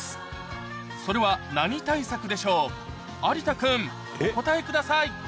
有田君お答えください